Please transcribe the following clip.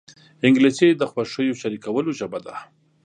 انګلیسي د خوښیو شریکولو ژبه ده